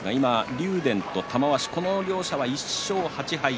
竜電と玉鷲、この両者は１勝８敗。